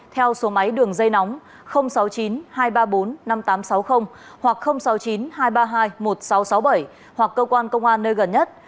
theo số máy đường dây nóng sáu mươi chín hai trăm ba mươi bốn năm nghìn tám trăm sáu mươi hoặc sáu mươi chín hai trăm ba mươi hai một nghìn sáu trăm sáu mươi bảy hoặc cơ quan công an nơi gần nhất